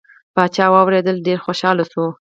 پاچا واورېدله ډیر خوشحال شو.